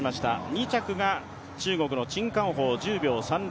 ２着が中国の陳冠鋒１０秒３６。